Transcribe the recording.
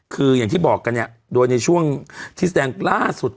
คืออย่างที่บอกกันเนี่ยโดยในช่วงที่แสดงล่าสุด